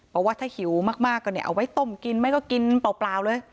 บอกว่าถ้าหิวมากก็เนี่ยเอาไว้ต้มกินไหมก็กินเปล่าเลย